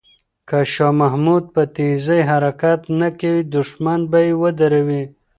که شاه محمود په تېزۍ حرکت نه کوي، دښمن به یې ودروي.